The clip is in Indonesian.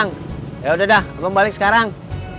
ya udah dah gue balik sekarang